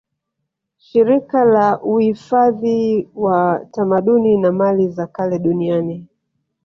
Shirika la uifadhi wa tamaduni na mali za kale Duniani